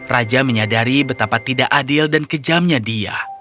raja menyadari betapa tidak adil dan kejamnya dia